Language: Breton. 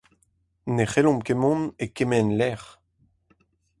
Ne c'hellomp ket mont e kement lec'h.